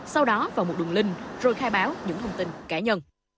sau đó vào một đường link rồi khai báo những thông tin cá nhân